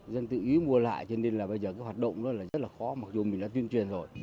dân tự ý mua lại cho nên là bây giờ cái hoạt động đó là rất là khó mặc dù mình đã tuyên truyền rồi